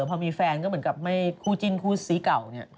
พอมีแฟนก็เหมือนกับไม่คู่จิ้นคู่ซีเก่าเนี่ย